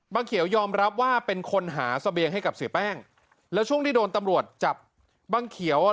เขียวยอมรับว่าเป็นคนหาเสบียงให้กับเสียแป้งแล้วช่วงที่โดนตำรวจจับบังเขียวอ่ะ